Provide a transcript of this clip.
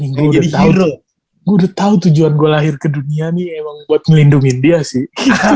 gue udah tau tujuan gue lahir ke dunia nih emang buat ngelindungin dia sih